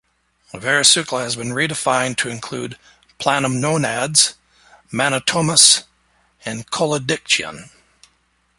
Varisulca has been redefined to include planomonads, Mantamonas and Collodictyon.